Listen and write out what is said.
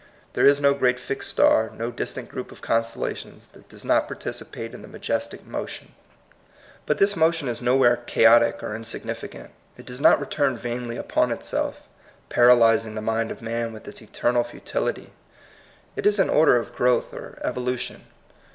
There is no great fixed star, no distant group of constellations, that does not participate in the majestic motion. THE POINT OF VIEW. 69 But this motion is nowhere chaotic or insignificant. It does not return vainly upon itself, paralyzing the mind of man with its eternal futility. It is an order of growth or evolution.